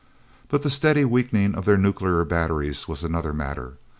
But the steady weakening of their nuclear batteries was another matter.